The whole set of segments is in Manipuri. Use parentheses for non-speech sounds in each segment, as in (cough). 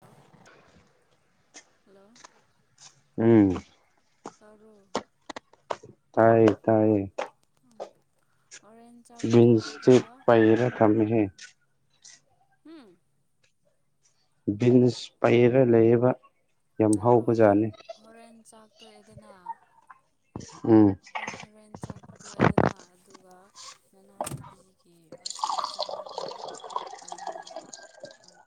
ꯍꯜꯂꯣ ꯍꯜꯂꯣ ꯎꯝ ꯇꯔꯣꯛ ꯇꯥꯏꯌꯦ ꯇꯥꯏꯌꯦ ꯍꯣꯔꯦꯟ ꯆꯥꯛ ꯕꯤꯟꯁꯇ ꯇꯣꯛꯑꯒ ꯄꯥꯏꯔ ꯊꯝꯃꯦꯍꯦ ꯎꯝ ꯕꯤꯖꯤꯅꯦꯁ ꯄꯩꯔ ꯂꯩꯕ ꯇꯥꯄꯔ ꯍꯣꯔꯦꯟ ꯍꯣꯔꯦꯟ ꯆꯥꯛ ꯠꯇꯣ ꯑꯦꯗꯅ (unintelligible) (inaudible) ꯍꯣꯔꯦꯟ ꯆꯥꯛ ꯇꯣꯏꯦꯗꯅ ꯑꯗꯨꯒ ꯅꯅꯥꯎꯕꯤꯒꯤ ꯍꯣꯁꯇꯦꯜ ꯆꯪꯉꯒ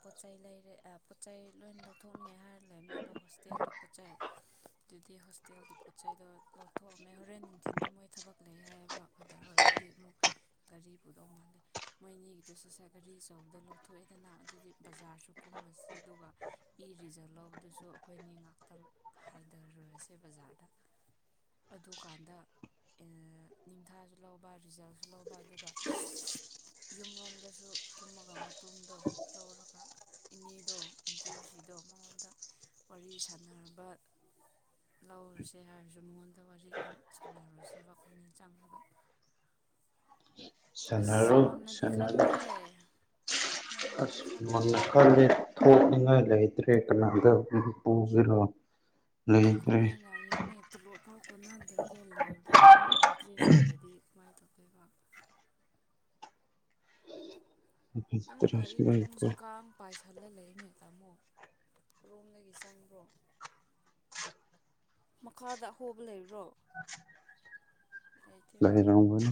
ꯄꯣꯠꯆꯩ ꯂꯩꯔꯦ ꯄꯣꯠꯆꯩ ꯂꯣꯏꯅ ꯂꯧꯊꯣꯛꯅꯤꯡꯉꯦ ꯍꯥꯏꯔ ꯂꯩꯔꯅꯦꯕ ꯍꯣꯁꯇꯦꯜꯒꯤ ꯄꯣꯠꯆꯩ ꯑꯗꯨꯗꯤ ꯍꯣꯁꯇꯦꯜꯒꯤ ꯄꯣꯠꯆꯩꯗꯣ ꯂꯧꯊꯣꯛꯑꯝ ꯃ ꯍꯣꯔꯦꯟ ꯅꯨꯡꯊꯤꯟꯗꯤ ꯃꯣꯏ ꯊꯕꯛ ꯂꯩ ꯍꯥꯏꯕ ꯐꯗꯔꯣꯏ ꯑꯗꯨꯗꯤ ꯑꯃꯨꯛ ꯒꯥꯔꯤ ꯄꯨꯗꯧ ꯃꯥꯜꯂꯦ ꯃꯣꯏꯅꯤꯒꯤꯗꯨ ꯁꯠꯁꯦ ꯒꯥꯔꯤ ꯑꯆꯧꯕꯗ ꯂꯧꯊꯣꯛꯑꯦꯗꯅ ꯑꯗꯨꯗꯤ ꯕꯖꯥꯔꯁꯨ ꯀꯨꯝꯃꯁꯦ ꯑꯗꯨꯒ ꯏ ꯔꯤꯖꯕ ꯂꯧꯕꯗꯨꯁꯨ ꯑꯩꯈꯣꯏꯅꯤ ꯉꯥꯛꯇꯪ ꯍꯥꯏꯊꯔꯨꯔꯁꯦ ꯕꯖꯥꯔꯗ ꯑꯗꯨꯀꯥꯟꯗ ꯅꯤꯡꯊꯥꯁꯨ ꯂꯧꯕ ꯔꯤꯖꯜꯁꯨ ꯂꯧꯕ ꯑꯗꯨꯒ ꯌꯨꯝꯔꯣꯝꯗꯁꯨ ꯀꯨꯝꯃꯒ ꯉꯥꯄ꯭ꯔꯨꯝꯗꯣ ꯂꯧꯔꯒ ꯏꯅꯦꯗꯣ ꯑꯟꯇꯤꯔꯨꯁꯤꯗꯣ ꯃꯉꯣꯟꯗ ꯋꯥꯔꯤ ꯁꯥꯟꯅꯅꯕ ꯂꯧꯔꯁꯦ ꯍꯥꯏꯔꯁꯨ ꯃꯉꯣꯟꯗ ꯑꯗ ꯋꯥꯔꯤ ꯑꯗꯨꯝ ꯁꯥꯟꯅꯔꯨꯔꯁꯦꯕ ꯑꯩꯈꯣꯏ ꯃꯤꯟ ꯆꯥꯡꯉꯗ ꯑꯁ ꯁꯥꯟꯅꯔꯣ ꯃꯟꯅꯗꯤ ꯁꯥꯟꯅꯔꯣ ꯈꯜꯂꯣꯍꯦ ꯃꯟꯅꯗꯤ ꯈ ꯃꯜꯦ ꯊꯉ ꯂꯩꯍꯤ ꯎꯠꯇꯔꯦ ꯀꯅꯗ ꯃꯅꯤꯄꯨꯔ ꯖꯤꯂꯥ ꯗꯨ ꯀꯃꯥꯏꯅ ꯏꯅꯦ ꯇꯂꯣ ꯄꯥꯛ ꯀꯣꯟꯅꯥꯟꯗꯔꯒ ꯂꯩꯔꯗꯣ ꯑꯃꯨꯛ ꯏꯟꯇꯔꯦꯁ ꯍꯨꯜꯂꯗꯤ ꯀꯃꯥꯏꯅ ꯇꯧꯒꯦꯕ ꯅꯪ ꯒꯥꯔꯤ ꯃꯅꯨꯡꯁꯦ ꯂꯩꯇ꯭ꯔꯦ ꯀꯥꯡ ꯄꯥꯏꯁꯜꯂ ꯂꯩꯅꯦ ꯇꯥꯃꯣ ꯀꯣꯝꯗꯒꯤ ꯆꯪꯕ꯭ꯔꯣ ꯃꯈꯥꯗ ꯑꯍꯣꯕ ꯂꯩꯕ꯭ꯔꯣ ꯂꯩꯇꯦꯅ ꯂꯩꯔꯕꯅꯤ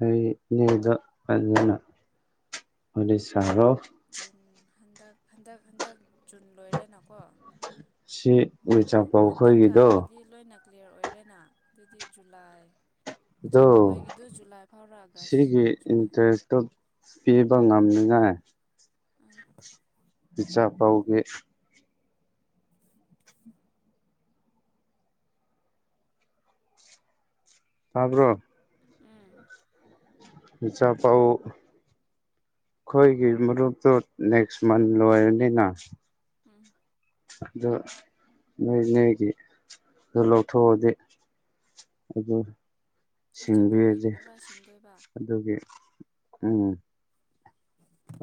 ꯑꯩꯅꯦꯗ ꯐꯖꯅ ꯍ ꯁꯥꯔꯣ ꯖꯨꯟ ꯍꯟꯗꯛ ꯍꯟꯗꯛ ꯍꯟꯗꯛ ꯖꯨꯟ ꯂꯣꯏꯔꯦꯅꯀꯣ ꯁꯤ ꯎ ꯃꯔꯨꯞ ꯆꯝꯄꯥꯎ ꯍꯟꯗꯛ ꯑꯩꯈꯣꯏꯒꯤꯗꯣ ꯊꯥꯒꯤꯗꯤ ꯂꯣꯏꯅ ꯀ꯭ꯂꯤꯌꯥꯔ ꯑꯣꯏꯔꯦꯅ ꯑꯗꯨꯗꯤ ꯖꯨꯂꯥꯏ ꯑꯗꯣ ꯏꯆꯥꯄꯥꯎ ꯍꯣꯏꯒꯤꯗꯨ ꯖꯨꯂꯥꯏ ꯐꯥꯎꯔ ꯑꯥꯒꯁ ꯁꯤꯒꯤ ꯖꯨꯂꯥꯏ ꯏꯟꯇꯔꯦꯁꯇꯣ ꯄꯤꯕ ꯉꯝꯅꯤ ꯌꯥ ꯑꯝ ꯄꯤꯆꯥꯥ ꯄꯥꯎꯒꯦ ꯇꯥꯔꯕ꯭ꯔꯣ ꯎꯝ ꯏꯆꯥ ꯄꯥꯎ ꯑꯩꯈꯣꯏꯒꯤ ꯃꯔꯨꯞꯇꯨ ꯅꯦꯛꯁ ꯃꯟ ꯂꯣꯏꯔꯅꯤꯅ ꯎꯝ ꯑꯗꯨ ꯅꯣꯏꯅꯣꯏꯒꯤ ꯑꯗꯨ ꯂꯧꯊꯣꯛꯑꯗꯤ ꯑꯗꯨ ꯏꯆꯥꯄꯥꯎ ꯍꯣꯏꯒꯤ ꯁꯤꯡꯕꯤꯔꯗꯤ ꯄꯨꯔꯥ ꯁꯤꯡꯗꯣꯏꯕ ꯑꯗꯨꯒꯤ ꯎꯝ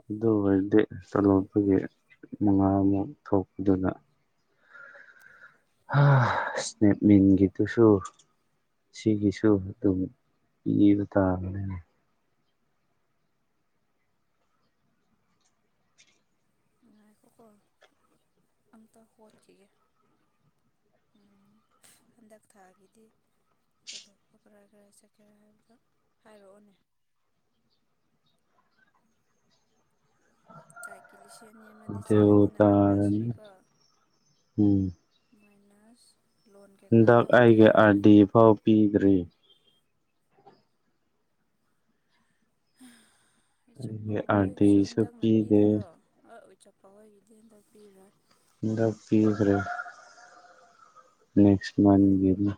ꯑꯗꯨ ꯑꯣꯏꯔꯗꯤ (unintelligible) ꯃꯉꯥꯃꯨꯛ ꯊꯣꯛꯄꯗꯨꯗ ꯏꯁꯅꯦꯞꯃꯦꯟꯒꯤꯗꯨꯁꯨ ꯁꯤꯒꯤꯁꯨ ꯑꯗꯨꯝ ꯄꯤꯕ ꯇꯥꯕꯅꯤꯅ ꯉꯥꯏꯈꯣꯀꯣ ꯑꯝꯇ ꯍꯣꯠꯈꯤꯒꯦ ꯍꯟꯗꯛ ꯊꯥꯒꯤꯗꯤ ꯇꯣꯂꯣꯞꯄꯣ ꯀꯔꯥꯏ ꯀꯔꯥꯏ ꯆꯠꯀꯦꯔꯥ ꯍꯥꯏꯕꯗꯣ ꯍꯥꯏꯔꯛꯑꯣꯅꯦ ꯇꯥꯏꯀꯤ ꯂꯤꯁꯤꯡ ꯑꯅꯤ ꯑꯃꯗꯤ ꯗꯤꯎ ꯆꯠꯂꯅꯤꯅ ꯀꯝꯄꯜꯁꯔꯤ ꯇꯥꯔꯅꯤ ꯀꯣ ꯎꯝ ꯃꯥꯏꯅꯥꯁ ꯍꯟꯗꯛ ꯑꯩꯒꯤ ꯑꯥꯔꯗꯤ ꯐꯥꯎ ꯄꯤꯗ꯭ꯔꯤ ꯑꯩꯒꯤ ꯏꯆꯄꯧ ꯑꯥꯔ ꯍꯣꯏꯒꯤꯁꯨ ꯗꯤꯁꯨ ꯍꯟꯗꯛꯅ ꯄꯤꯗꯦ ꯄꯤꯗꯣꯏꯔꯣ (unintelligible) (unintelligible) ꯍꯟꯗꯛ ꯄꯤꯔꯣꯏ ꯍꯟꯗꯛ ꯄꯤꯗꯔꯦ ꯅꯦꯛꯁ ꯃꯥꯟꯒꯤꯃꯨꯛ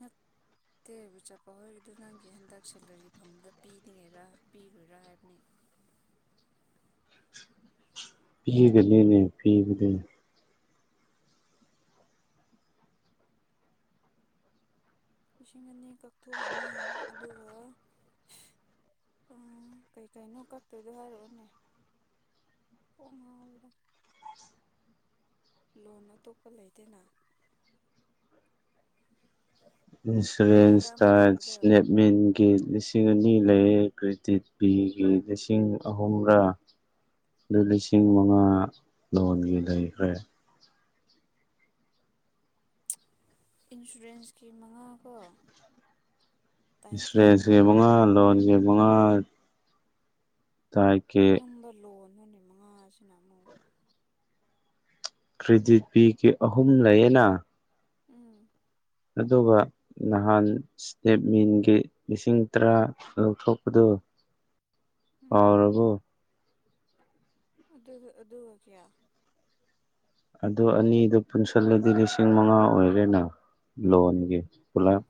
ꯅꯠꯇꯦ ꯆꯥꯄꯥꯎꯍꯣꯏꯒꯤꯗꯣ ꯅꯪꯒꯤ ꯍꯟꯗꯛ ꯁꯦꯂꯔꯤ ꯐꯪꯕꯗ ꯄꯤꯅꯤꯡꯉꯔꯥ ꯄꯤꯔꯣꯏꯔꯥ ꯍꯥꯏꯕꯅꯤ ꯄꯤꯒꯅꯤꯅꯦ ꯄꯤꯕꯗ ꯂꯤꯁꯤꯡ ꯑꯅꯤ ꯀꯛꯊꯣꯛꯑꯅꯤ ꯑꯗꯨꯒ ꯀꯩꯀꯩꯅꯣ ꯀꯛꯇꯣꯏꯗꯣ ꯍꯥꯏꯔꯛꯑꯣꯅꯦ ꯀꯣꯛ ꯉꯥꯎꯔꯦꯗꯥ ꯂꯣꯟ ꯑꯇꯣꯞꯄ ꯂꯩꯇꯦꯅ ꯏꯟꯁꯨꯔꯦꯟꯁ ꯀꯌꯥꯔꯥ ꯇꯥ ꯑꯃ ꯂꯩꯕꯗꯣ ꯁꯂꯦꯞꯃꯦꯟꯒꯤ ꯂꯤꯁꯤꯡ ꯑꯅꯤ ꯁꯤ ꯂꯩꯌꯦ ꯀ꯭ꯔꯤꯗꯤꯠ ꯕꯤꯒꯤ ꯂꯤꯁꯤꯡ ꯑꯍꯨꯝꯔꯥ ꯑꯗꯨ ꯂꯤꯁꯤꯡ ꯃꯉꯥ ꯂꯣꯟꯒꯤ ꯂꯩꯈ꯭ꯔꯦ ꯏꯟꯁꯨꯔꯦꯟꯁꯀꯤ ꯃꯉꯥ ꯀꯣ ꯏꯟꯁꯨꯔꯦꯟꯁ ꯀꯤ ꯃꯉꯥ ꯂꯣꯟꯒꯤ ꯃꯉꯥ ꯇꯥꯏꯞꯀꯤ ꯀꯔꯝꯕ ꯂꯣꯟ ꯃꯉꯥꯁꯤꯅ ꯑꯃꯨꯛ ꯀ꯭ꯔꯤꯗꯤꯠ ꯕꯤꯒꯤ ꯑꯍꯨꯝ ꯂꯩꯌꯦꯅ ꯎꯝ ꯑꯗꯨꯒ ꯅꯍꯥꯟ ꯏꯁꯇꯦꯞꯃꯤꯟꯒꯤ ꯂꯤꯁꯤꯡ ꯇꯔꯥ ꯂꯧꯊꯣꯛꯄꯗꯨ ꯎꯝ ꯀꯎꯔꯕꯣ ꯑꯗꯨ ꯑꯗꯨꯒ ꯀꯌꯥ ꯑꯗꯨ ꯑꯅꯤꯗꯨ ꯄꯨꯟꯁꯤꯜꯂꯗꯤ ꯂꯤꯁꯤꯡ ꯃꯉꯥ ꯑꯣꯏꯔꯦꯅ ꯂꯣꯟꯒꯤ ꯄꯨꯂꯞ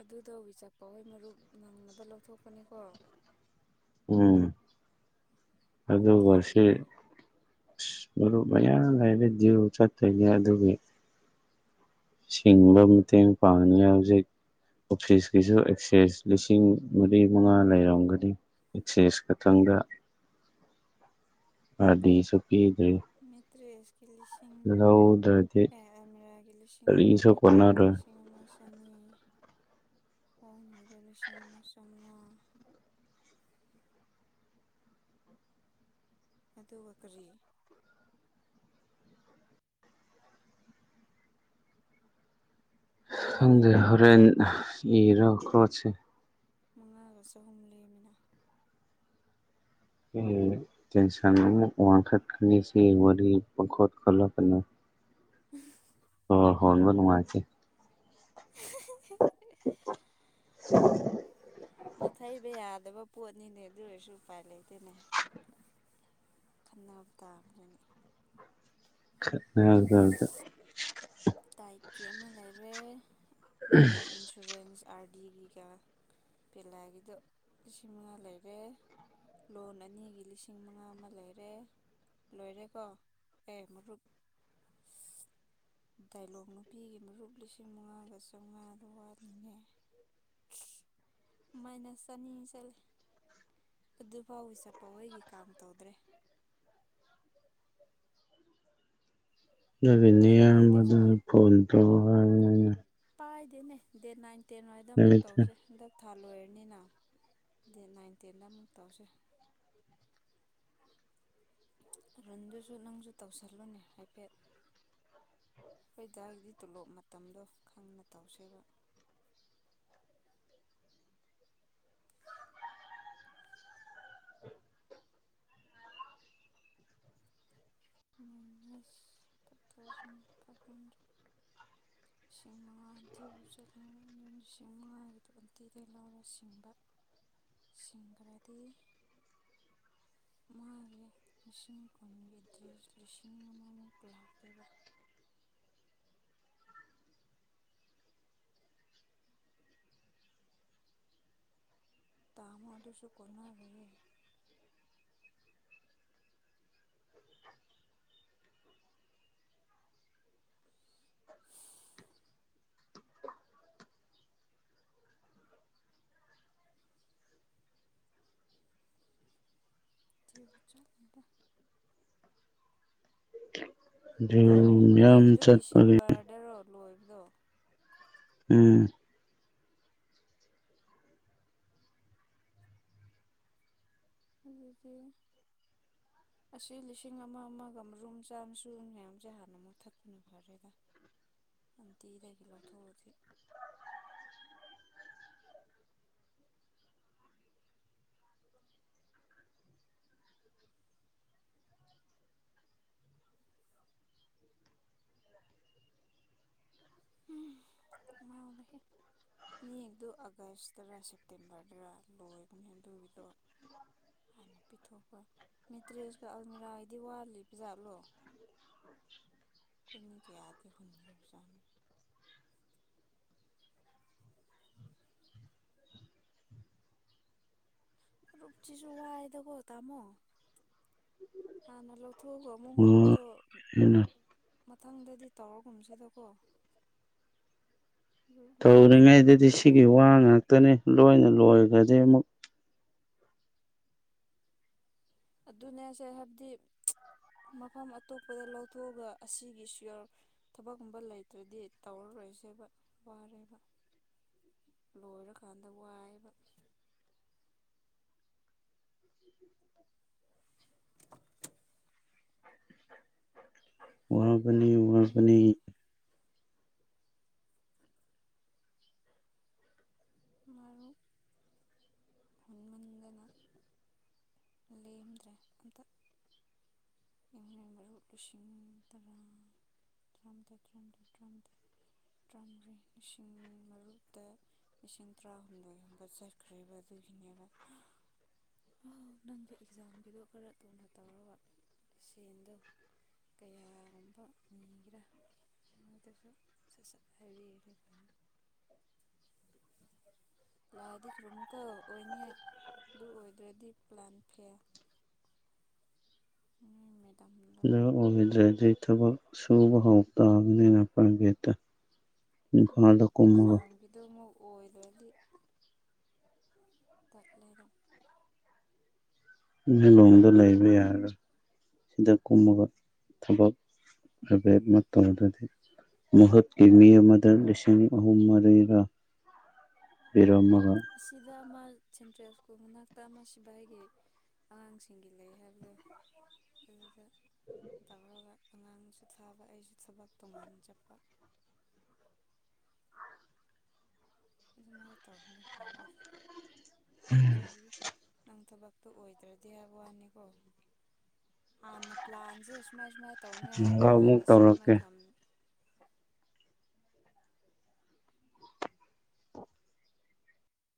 ꯑꯗꯨꯗꯣ ꯋꯤꯆꯥꯄꯥꯎ ꯍꯣꯏ ꯃꯔꯨꯞ ꯅꯪꯅꯕ ꯂꯧꯊꯣꯛꯄꯅꯤꯀꯣ ꯑꯝ ꯑꯗꯨꯒ ꯁꯤ ꯅꯨꯡꯇꯤꯒꯤꯒ ꯃꯔꯨꯞ ꯃꯌꯥꯝ ꯍꯥꯏꯔ ꯗꯤꯌꯨ ꯆꯠꯇꯣꯏꯅꯤ ꯑꯗꯨꯒꯤ ꯁꯤꯡꯕ ꯃꯇꯦꯡ ꯄꯥꯡꯉꯉꯦ ꯍꯧꯖꯤꯛ ꯑꯣꯐꯤꯁꯀꯤꯁꯨ ꯑꯦꯛꯁꯦꯁ ꯂꯤꯁꯤꯡ ꯃꯔꯤ ꯃꯉꯥ ꯂꯩꯔꯝꯒꯅꯤ ꯑꯦꯛꯁꯦꯁ ꯈꯛꯇꯪꯗ ꯑꯥꯔ ꯗꯤꯁꯨ ꯄꯤ ꯃꯤꯇ꯭ꯔꯦꯁ ꯂꯤꯁꯤꯡ ꯂꯧꯗ꯭ꯔꯗꯤ ꯑꯃꯤꯔꯥꯒꯤ ꯂꯤꯁꯤꯡ ꯑꯃ ꯀꯔꯤꯁꯨ ꯃꯤꯇ꯭ꯔꯦꯁꯒꯤ ꯀꯣꯟꯅꯔꯣꯏ ꯂꯤꯁꯤꯡ ꯑꯃ (unintelligible) ꯂꯤꯁꯤꯡ ꯑꯃ ꯆꯥꯝꯃꯉꯥ ꯑꯗꯨꯒ ꯀꯔꯤ ꯂꯣꯏꯔꯦꯅ ꯈꯪꯗꯩ ꯍꯣꯔꯦꯟ ꯏꯔꯣꯈꯣꯁ ꯃꯉꯥꯒ ꯆꯍꯨꯝ ꯂꯦꯝꯃꯤꯅ ꯇꯦꯟꯁ ꯑꯃ ꯋꯥꯡꯈꯠ ꯈꯅꯤꯁꯤ ꯋꯥꯔꯤ ꯈꯂꯛꯅ ꯎꯝ ꯑꯣ ꯍꯣꯕ ꯃꯥꯁꯤꯦ (unintelligible) ꯍ ꯅ ꯊꯥꯏꯕꯩ ꯌꯥꯗꯕ ꯄꯣꯠꯅꯤꯅꯦ ꯑꯗꯨ ꯑꯣꯏꯔꯁꯨ ꯎꯄꯥꯏ ꯂꯩꯇꯦꯅꯦ ꯈꯟꯅꯕ ꯇꯥꯕꯅꯤꯅꯦ ꯍ ꯊꯥꯡꯗ ꯇꯥꯏ ꯀꯦ ꯑꯃ ꯂꯩꯔꯦ ꯅꯪꯒꯤ ꯏꯟꯁꯨꯔꯔꯦꯟꯁ ꯑꯥꯔꯗꯤꯒꯤꯒ ꯄꯦꯂꯥꯒꯤꯗꯣ ꯂꯤꯁꯤꯡ ꯃꯉꯥ ꯂꯩꯔꯦ ꯂꯣꯟ ꯑꯅꯤꯒꯤ ꯂꯤꯁꯤꯡ ꯃꯉꯥ ꯑꯃ ꯂꯩꯔꯦ ꯂꯣꯏꯔꯦꯀꯣ ꯑꯦ ꯃꯔꯨꯞ ꯗꯥꯏꯂꯣꯛ ꯅꯨꯄꯤꯒꯤ ꯃꯔꯨꯞ ꯂꯤꯁꯤꯡ ꯃꯉꯥꯒ ꯆꯥꯝꯃꯉꯥꯗ ꯋꯥꯠꯂꯤꯉꯦ ꯃꯃꯥꯏꯅ ꯆꯅꯤ ꯆꯠꯂꯦ ꯑꯗꯨꯐꯥꯎꯋꯤ ꯆꯠꯄꯥꯎꯍꯣꯏꯒꯤ ꯀꯥꯡ ꯇꯧꯗ꯭ꯔꯦ ꯉꯔꯤꯅꯦ ꯑꯇꯣꯞꯄ ꯑꯌꯥꯝꯕꯗ ꯂꯩꯇꯦꯀꯣ ꯐꯣꯟ ꯇꯧ ꯅꯦ ꯏꯦ ꯅ ꯇꯦꯟꯋꯥꯏꯗ ꯑꯃꯨꯛ ꯂꯩꯇꯦ ꯇꯧꯁꯦ ꯍꯟꯗꯛ ꯊꯥ ꯂꯣꯏꯔꯅꯤꯅ ꯗꯦꯠ ꯅꯥꯏꯟ ꯇꯦꯟꯗ ꯑꯃꯨꯛ ꯇꯧꯁꯦ ꯔꯨꯟꯗꯨꯁꯨ ꯅꯪꯁꯨ ꯇꯧꯁꯜꯂꯨꯅꯦ ꯍꯥꯏꯐꯦꯠ ꯑꯩꯣꯏꯗꯥꯏꯗꯤ ꯇꯣꯂꯣꯞ ꯃꯇꯝꯗꯣ ꯈꯪꯅ ꯇꯧꯁꯦꯕ minus five thousand five hundred ꯂꯤꯁꯤꯡ ꯃꯉꯥꯗꯤ ꯎ ꯆꯜꯂꯦ ꯂꯤꯁꯤꯡ ꯃꯉꯥꯒꯤ ꯇꯋꯦꯟꯇꯤꯗ ꯂꯧꯔ ꯁꯤꯡꯕ ꯁꯤꯡꯈ꯭ꯔꯗꯤ ꯃꯥꯒꯤ ꯂꯤꯁꯤꯡ ꯀꯨꯟꯒꯤ ꯂꯤꯁꯤꯡ ꯑꯃꯃꯨꯛ ꯂꯥꯛꯇꯣꯏꯕ ꯇꯥꯃ ꯑꯗꯨꯁꯨ ꯀꯣꯅꯥꯔꯦ ꯊ ꯆꯂꯗ ꯑꯗꯨ ꯗꯥꯏꯂꯣꯡ ꯃꯌꯥꯝ ꯅꯨꯄꯤꯒꯤꯗꯨ ꯆꯠꯄꯒꯤ ꯗꯤꯁꯦꯝꯕꯔꯗꯔꯣ ꯂꯣꯏꯕ ꯗꯣ ꯎꯝ ꯑꯗꯨꯗꯤ ꯑꯁꯤ ꯂꯤꯁꯤꯡ ꯑꯃ ꯑꯃꯒ ꯃꯔꯨꯝ ꯆꯥꯃꯁꯨ ꯃꯌꯥꯝꯁꯦ ꯍꯥꯟꯅ ꯃꯨꯛꯊꯠꯄꯅ ꯐꯔꯦꯗ ꯑꯟꯇꯤꯗꯒꯤ ꯂꯧꯊꯣꯛꯑꯁꯤ ꯎ ꯈꯣꯡꯉꯥꯎꯔꯦ ꯏꯅꯦꯛꯇꯣ ꯑꯥꯒꯁꯇꯔ ꯁꯦꯞꯇꯦꯝꯕꯔꯗꯔ ꯂꯣꯏꯕꯅꯦ ꯑꯗꯨꯒꯤꯗꯣ ꯍꯥꯟꯅ ꯄꯤꯊꯣꯛꯄ꯭ꯔꯥ ꯃꯤꯦꯇ꯭ꯔꯦꯁꯀ ꯑꯜꯃꯤꯔꯥꯒꯤꯗꯤ ꯋꯥꯠꯂꯤꯕꯖꯥꯠꯂꯣ ꯑꯩꯈꯣꯏꯅꯤ ꯀꯌꯥꯗꯤ ꯍꯨꯟꯈ꯭ꯔꯕꯖꯥꯠꯅꯣ ꯐꯨꯞꯁꯤꯁꯨ ꯋꯥꯏꯗꯀꯣ ꯇꯥꯃꯣ ꯍꯥꯟꯅ ꯂꯧꯊꯣꯛꯑꯒ ꯑꯃꯨꯛ ꯍꯨꯟꯕꯗꯣ ꯋꯥꯏꯅ ꯃꯊꯪꯗꯗꯤ ꯇꯧꯔꯒꯨꯝꯁꯤꯗꯀꯣ ꯔꯨꯞ ꯂꯣꯏꯔꯁꯨ ꯇꯧꯔꯤꯉꯩꯗꯗꯤ ꯑꯝꯇ ꯁꯤꯒꯤ ꯌꯥꯎ ꯋꯥ ꯉꯥꯛꯇꯅꯤ ꯂꯣꯏꯅ ꯂꯣꯏꯈ ꯑꯗ ꯑꯃ ꯑꯗꯨꯅꯦꯁꯦ ꯍꯥꯏꯕꯗꯤ ꯃꯐꯝ ꯑꯇꯣꯞꯄꯗ ꯂꯧꯊꯣꯛꯑꯒ ꯑꯁꯤꯒꯤ ꯁꯤꯌꯣꯔ ꯊꯕꯛꯀꯨꯝꯕ ꯂꯩꯇ꯭ꯔꯗꯤ ꯇꯧꯔꯔꯣꯏꯁꯦꯕ ꯋꯥꯔꯦꯕ ꯂꯣꯏꯔꯀꯥꯟꯗ ꯋꯥꯏꯑꯕ ꯑꯣꯔ ꯕꯅꯤ ꯎꯔꯕꯅꯤ ꯎꯝ ꯃꯔꯔꯨ ꯍꯅꯨꯃꯥꯟꯗꯅ ꯂꯩꯃꯗ꯭ꯔꯦ ꯑꯗ ꯏꯩ ꯃꯔꯨꯞ ꯂꯤꯁꯤꯡꯥꯥꯊꯥꯔꯥꯊꯥꯔꯤ ꯂꯤꯁꯤꯡ ꯃꯔꯨꯛꯇ ꯂꯤꯁꯤꯡ ꯇꯔꯥꯍꯨꯝꯗꯣꯏꯒꯨꯝꯕ ꯆꯠꯈ꯭ꯔꯦꯕ ꯑꯗꯨꯒꯤꯅꯦꯕ ꯅꯪꯒꯤ ꯑꯦꯛꯖꯥꯝꯒꯤꯗꯣ ꯈꯔ ꯇꯨꯅ ꯇꯧꯔꯕ ꯁꯦꯟꯗꯣ ꯀꯌꯥꯒꯨꯝꯕ ꯅꯤꯒꯦꯔꯥꯗꯁꯨ ꯁꯠ ꯁꯠ ꯍꯥꯏꯕꯤꯦ ꯂꯥꯏꯗꯤ ꯈꯔꯨꯝꯃꯨꯀꯧ ꯑꯣꯏꯅꯤꯡꯉꯥꯏ ꯑꯗꯨ ꯑꯣꯏꯗ꯭ꯔꯗꯤ ꯄ꯭ꯂꯥꯟ ꯐꯦ ꯅ ꯃꯦꯗꯥꯝꯗ ꯑꯣꯏꯗ꯭ꯔꯗꯤꯩ ꯊꯕꯛ ꯁꯨꯕ ꯍꯧ ꯇꯥꯕꯅꯤꯅ ꯄ꯭ꯔꯥꯏꯚꯦꯠꯇ ꯑꯦꯛꯖꯥꯝꯒꯤꯗ ꯑꯣꯏꯣꯏꯔꯗꯤ ꯇꯠꯂꯗ ꯏꯂꯣꯡꯗ ꯂꯩꯕ ꯌꯥꯔꯣꯏ ꯁꯤꯗ ꯀꯨꯝꯃꯒ ꯊꯕꯛꯕꯦ ꯃꯇꯧꯗꯗꯤ ꯃꯍꯨꯠꯀꯤ ꯃꯤ ꯑꯃꯗ ꯂꯤꯁꯤꯡ ꯑꯍꯨꯝ ꯃꯔꯤꯒ ꯄꯤꯔꯝꯃ ꯁꯤꯗ ꯃꯥꯜ ꯁꯦꯟꯇ꯭ꯔꯦꯜ ꯁ꯭ꯀꯨꯜ ꯃꯅꯥꯛꯇ ꯑꯃ ꯁꯤꯚ ꯑꯩꯒꯤ ꯑꯉꯥꯡꯁꯤꯡꯒꯤ ꯂꯩ ꯍꯥꯏꯕꯗꯣ ꯑꯗꯨꯗ ꯇꯧꯔꯒ ꯑꯉꯥꯡꯁꯨ ꯊꯥꯕ ꯑꯩꯁꯨ ꯊꯕꯛ ꯇꯣꯉꯥꯟ ꯆꯠꯄ ꯑꯗꯨꯃꯥꯏ ꯇꯥꯕꯅ ꯐꯚꯔꯦꯗ ꯪ ꯆ ꯅꯪ ꯊ ꯇ ꯑꯣꯏꯗ꯭ꯔꯗꯤ ꯍꯥꯏꯕ ꯋꯥꯅꯤꯀꯣ ꯍꯥꯟꯅ ꯄ꯭ꯂꯥꯟꯁꯦ ꯁ ꯃꯥꯏ ꯁꯨꯃꯥꯏꯅ ꯇꯧꯅꯤꯉ ꯍꯥꯟꯅ ꯃꯨꯛ ꯍꯥꯟꯅꯁꯦ ꯇꯧꯔꯛꯀꯦ ꯃꯇꯝ